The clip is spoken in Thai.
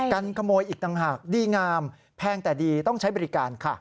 กันขโมยอีกต่างหากดีงามแพงแต่ดีต้องใช้บริการค่ะ